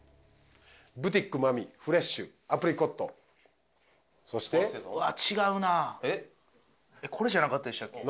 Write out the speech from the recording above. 「ブティックまみ」「フレッシュ」「アプリコット」そしてわー違うなぁこれじゃなかったでしたっけ？